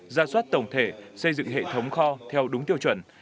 ra soát tổng thể xây dựng hệ thống kho theo đúng tiêu chuẩn